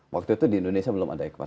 waktu itu di indonesia belum ada ekman